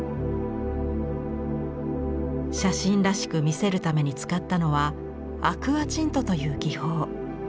写真らしく見せるために使ったのは「アクアチント」という技法。